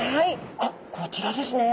あこちらですね。